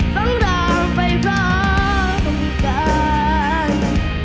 ฟังร้างไปร้องกัน